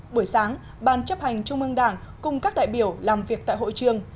buổi sáng ban chấp hành trung ương đảng cùng các đại biểu làm việc tại hội trường